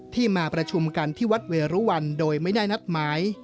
มาประชุมกันที่วัดเวรุวันโดยไม่ได้นัดหมาย